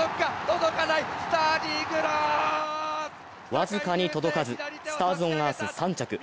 僅かに届かず、スターズオンアース３着。